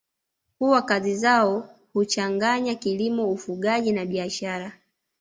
Huwa kazi zao huchachanganya kilimo ufugaji na biashara